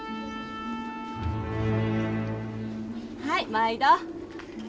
はい毎度。